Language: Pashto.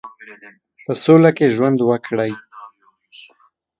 په سوله کې ژوند وکړي.